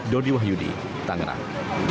dodi wahyudi tangerang